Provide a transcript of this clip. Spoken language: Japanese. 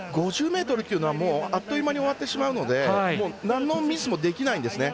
５０ｍというのはあっという間に終わってしまうのでなんのミスもできないんですね。